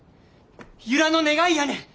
由良の願いやねん！